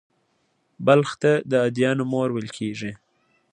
بلخ ته «د ادیانو مور» ویل کېږي